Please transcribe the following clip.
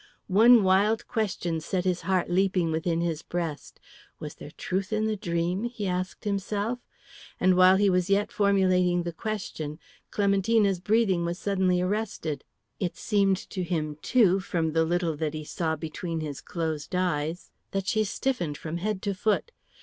One wild question set his heart leaping within his breast. "Was there truth in the dream?" he asked himself; and while he was yet formulating the question, Clementina's breathing was suddenly arrested. It seemed to him, too, from the little that he saw between his closed eyes, that she stiffened from head to foot.